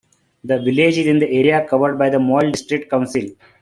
The village is in the area covered by Moyle District Council.